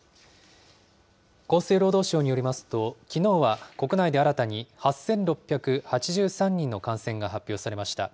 厚生労働省によりますと、きのうは国内で新たに８６８３人の感染が発表されました。